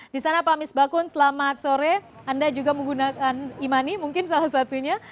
di sana pak misbakun selamat sore anda juga menggunakan e money mungkin salah satunya